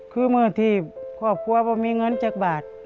คือเมื่อที่ครอบครัวว่ามีเงินจากบาท